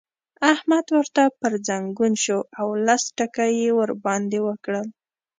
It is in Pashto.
احمد ورته پر ځنګون شو او لس ټکه يې ور باندې وکړل.